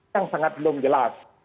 yang sangat belum jelas